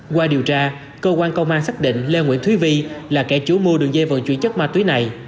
qua điều tra cơ quan công an xác định lê nguyễn thúy vi là kẻ chủ mua đường dây vận chuyển chất ma túy này